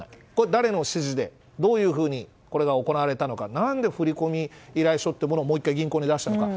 誰の指示でどういうふうにこれが行われたのかなんで振込依頼書をもう１回、銀行に出したのか。